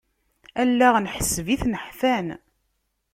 Allaɣen ḥseb-iten ḥfan.